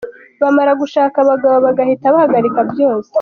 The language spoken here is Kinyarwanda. Bamara gushaka abagabo bagahita bahagarika byose.